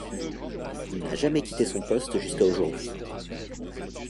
Il n'a jamais quitté son poste jusqu'à aujourd'hui.